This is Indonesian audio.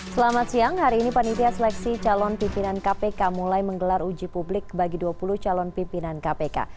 selamat siang hari ini panitia seleksi calon pimpinan kpk mulai menggelar uji publik bagi dua puluh calon pimpinan kpk